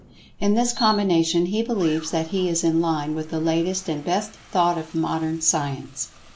In this combination, he believes that he is in line with the latest and best thought of Modern Science.